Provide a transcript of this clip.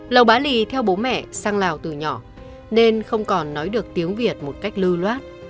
lầu bá lì theo bố mẹ sang lào từ nhỏ nên không còn nói được tiếng việt một cách lưu loát